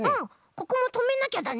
ここもとめなきゃだね。